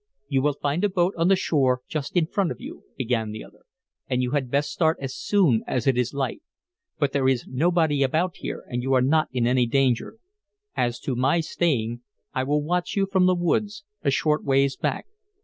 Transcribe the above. "You will find a boat on the shore just in front of you," began the other. "And you had best start as soon as it is light. But there is nobody about here, and you are not in any danger. As to my staying, I will watch you from the woods, a short ways back.